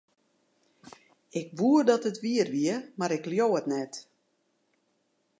Ik woe dat it wier wie, mar ik leau it net.